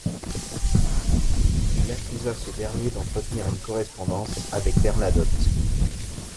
Il accusa ce dernier d'entretenir une correspondance avec Bernadotte.